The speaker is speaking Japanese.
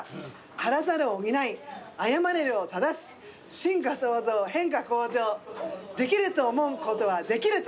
「足らざるを補い誤れるを正す」「新化創造変化向上」「できると思うことはできる」ということです。